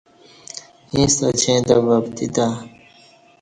ییݩستہ اچیں تہ وپتی تہ